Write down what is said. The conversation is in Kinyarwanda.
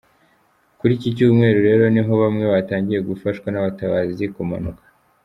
Kuri iki cyumweru rero niho bamwe batangiye gufashwa n’abatabazi kumanuka.